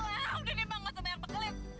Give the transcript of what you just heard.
ayo udah nih bang maksudnya yang beklet